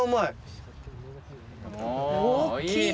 大きい！